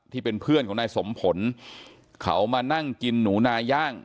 ที่เป็นเพื่อนของนายสมผลเขามานั่งกินหนูนาย่าง